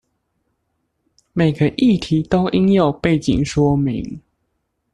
每個議題都應有背景說明